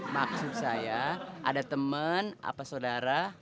maksud saya ada temen apa sodara